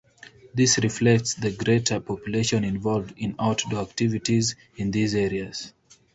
This reflects the greater population involved in outdoor activities in these areas.